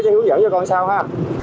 cho hướng dẫn cho con sao ha